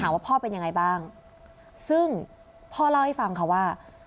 ว่าพ่อเป็นยังไงบ้างซึ่งพ่อเล่าให้ฟังค่ะว่า